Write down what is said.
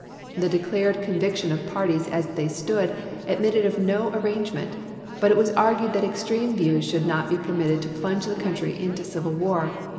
The declared conviction of parties as they stood admitted of no arrange ment ; but it was argued that extreme views should not be permitted to plunge the country into civil war.